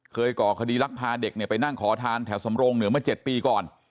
ก่อคดีรักพาเด็กไปนั่งขอทานแถวสำรงเหนือเมื่อ๗ปีก่อน